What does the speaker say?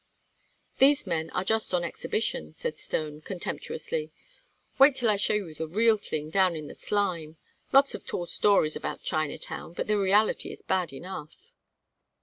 "These men are just on exhibition," said Stone, contemptuously. "Wait till I show you the real thing down in the slime. Lots of tall stories about Chinatown, but the reality is bad enough."